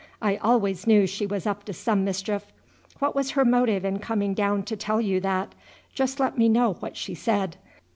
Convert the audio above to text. I always knew she was up to some mischief. What was her motive in coming down to tell you that? Just let me know what she said."